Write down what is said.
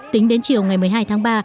tính đến chiều ngày một mươi hai tháng ba